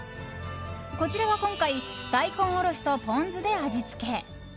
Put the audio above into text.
こちらは今回大根おろしとポン酢で味付け。